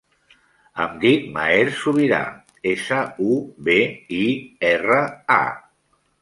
Em dic Maher Subira: essa, u, be, i, erra, a.